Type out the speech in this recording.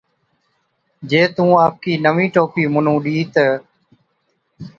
جي تُون آپڪِي نَوِين ٽوپِي مُنُون ڏِي تہ،